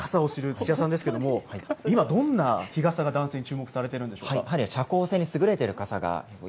そんな傘を知る土屋さんですけれども、今、どんな日傘が男性に注目されてるんでしょうか。